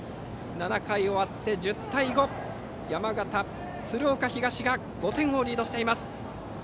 ７回終わって、１０対５と山形・鶴岡東が５点をリードしています。